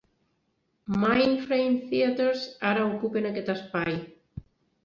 Mindframe Theaters ara ocupen aquest espai.